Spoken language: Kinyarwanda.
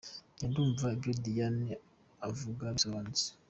Jye ndumva ibyo Diane avuga bisobanutse.